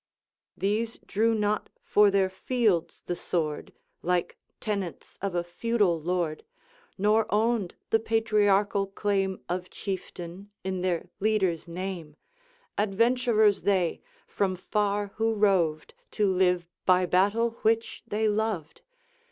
These drew not for their fields the sword, Like tenants of a feudal lord, Nor owned the patriarchal claim Of Chieftain in their leader's name; Adventurers they, from far who roved, To live by battle which they loved.